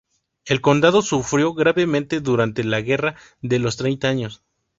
El condado sufrió gravemente durante la Guerra de los Treinta Años.